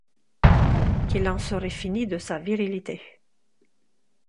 Qu’il en serait fini de sa virilité.